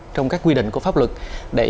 trong các quy định của pháp luật để